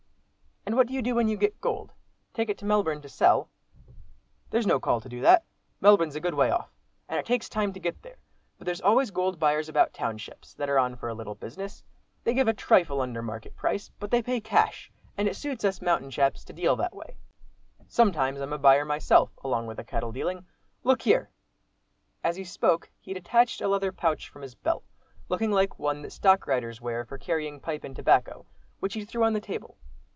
"And what do you do when you get gold—take it to Melbourne to sell?" "There's no call to do that. Melbourne's a good way off, and it takes time to get there. But there's always gold buyers about townships, that are on for a little business. They give a trifle under market price, but they pay cash, and it suits us mountain chaps to deal that way. Sometimes I'm a buyer myself, along with the cattle dealing. Look here!" As he spoke, he detached a leather pouch from his belt, looking like one that stockriders wear for carrying pipe and tobacco, which he threw on the table.